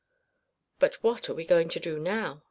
"But what are we going to do now?"